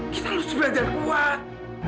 kita harus belajar kuat